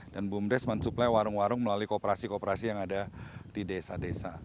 dan bumdes mensuplai warung warung melalui kooperasi kooperasi yang ada di desa desa